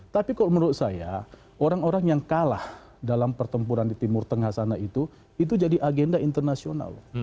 tapi kalau menurut saya orang orang yang kalah dalam pertempuran di timur tengah sana itu itu jadi agenda internasional